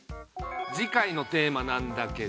次回のテーマなんだけど。